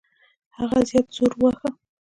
هغه زیات زور وواهه.